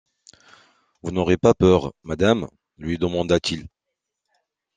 Vous n’aurez pas peur, madame? lui demanda-t-il.